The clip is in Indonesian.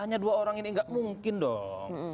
hanya dua orang ini nggak mungkin dong